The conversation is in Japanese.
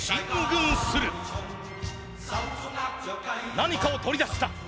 何かを取り出した。